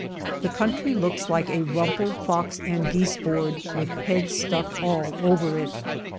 The country looks like a rumpled fox and geese board, with pegs stuck all over it.